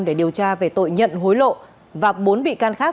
để điều tra về tội nhận hối lộ và bốn bị can khác